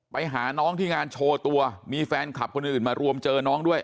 ไปหาน้องที่งานโชว์ตัวมีแฟนคลับคนอื่นมารวมเจอน้องด้วย